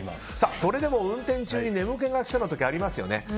それでも運転中に眠気がくる時ありますよね。